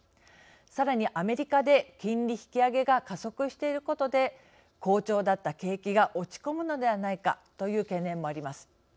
さらに、アメリカで金利引き上げが加速していることで好調だった景気が落ち込むのではないかという懸念もあります。